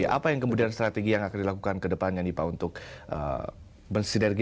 apa yang kemudian strategi yang akan dilakukan ke depannya nih pak untuk bersinergi